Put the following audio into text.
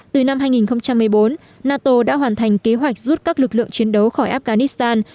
từ năm hai nghìn một mươi bốn nato đã hoàn thành kế hoạch rút các lực lượng chiến đấu khỏi afghanistan